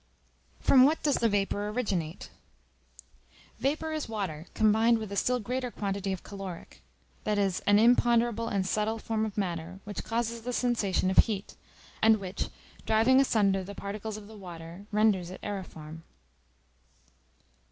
From what does the vapor originate? Vapor is water, combined with a still greater quantity of caloric, that is, an imponderable and subtile form of matter, which causes the sensation of heat; and which, driving asunder the particles of the water, renders it aëriform.